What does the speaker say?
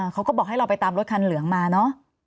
เขาก็บอกให้เราไปตามรถคันเหลืองมาเนอะ